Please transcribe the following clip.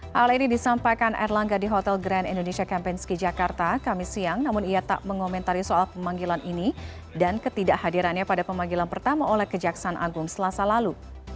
hal ini disampaikan erlangga di hotel grand indonesia kempinski jakarta kami siang namun ia tak mengomentari soal pemanggilan ini dan ketidakhadirannya pada pemanggilan pertama oleh kejaksaan agung selasa lalu